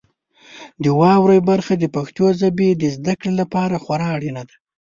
د واورئ برخه د پښتو ژبې د زده کړې لپاره خورا اړینه ده.